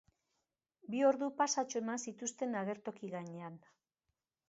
Bi ordu pasatxo eman zituzten agertoki gainean.